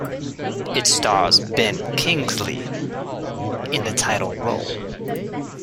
It stars Ben Kingsley in the title role.